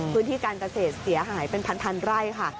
พื้นที่การเกษตรเสียหายเป็นพันไร่ค่ะ